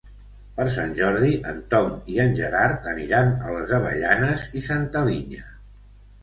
Per Sant Jordi en Tom i en Gerard aniran a les Avellanes i Santa Linya.